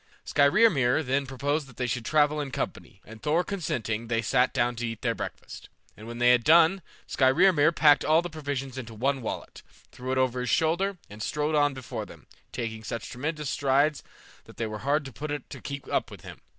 Skrymir then proposed that they should travel in company, and Thor consenting, they sat down to eat their breakfast, and when they had done, Skrymir packed all the provisions into one wallet, threw it over his shoulder, and strode on before them, taking such tremendous strides that they were hard put to it to keep up with him.